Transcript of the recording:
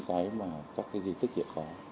các gì tích hiệu khó